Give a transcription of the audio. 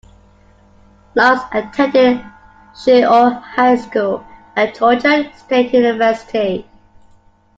Lance attended Shiloh High School and Georgia State University.